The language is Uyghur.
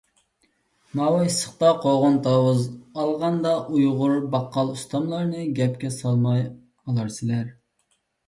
ماۋۇ ئىسسىقتا قوغۇن-تاۋۇز ئالغاندا ئۇيغۇر باققال ئۇستاملارنى گەپكە سالماي ئالارسىلەر.